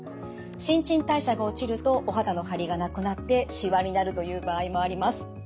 新陳代謝が落ちるとお肌の張りがなくなってしわになるという場合もあります。